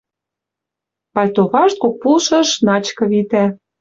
Пальто вашт кок пулшыш начкы витӓ.